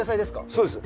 そうです。